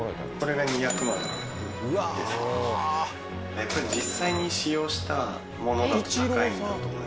やっぱり実際に使用したものだと高いんだと思いますね。